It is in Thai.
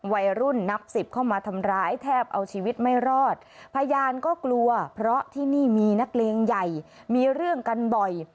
วัยรุ่นนับสิบเข้ามาทำร้ายแทบเอาชีวิตไม่รอดพยานก็กลัวเพราะที่นี่มีนักเลงใหญ่มีเรื่องกันบ่อย